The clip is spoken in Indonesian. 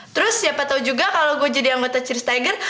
terus siapa tau juga kalau gue jadi anggota cheers tiger